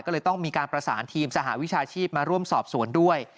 ก็เลยต้องมีการประสานทีมสหวิชาชีพมาร่วมสอบสวนด้วย